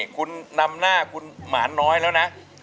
คุณนำหน้าคุณหมาน้อยแล้วนะ